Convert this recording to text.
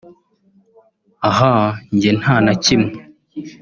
ahaaa njye nta nakimwe